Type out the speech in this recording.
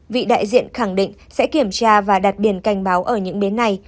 vị đại diện khẳng định sẽ kiểm tra và đặt biển cảnh báo ở những bến này